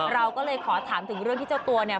เราก็เลยขอถามถึงเรื่องที่เจ้าตัวเนี่ย